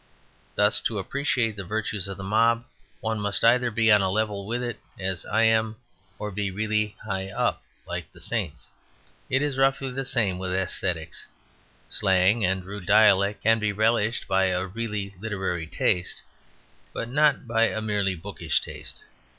Thus, to appreciate the virtues of the mob one must either be on a level with it (as I am) or be really high up, like the saints. It is roughly the same with aesthetics; slang and rude dialect can be relished by a really literary taste, but not by a merely bookish taste.